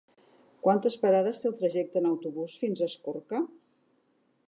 Quantes parades té el trajecte en autobús fins a Escorca?